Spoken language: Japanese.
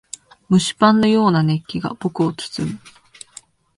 蒸しパンのような熱気が僕を包む。